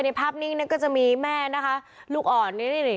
ในภาพนิ่งนี้ก็จะมีแม่นะคะลูกอ่อนนิดนิดหน่อย